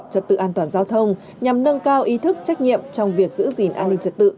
trật tự an toàn giao thông nhằm nâng cao ý thức trách nhiệm trong việc giữ gìn an ninh trật tự